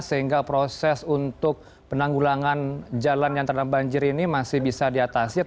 sehingga proses untuk penanggulangan jalan yang terdampak banjir ini masih bisa diatasi